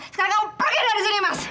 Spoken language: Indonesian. sekarang kamu pergi dari sini mas